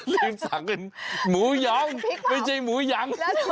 รีบสั่งให้หมูย้อมไม่ใช่หมูยัง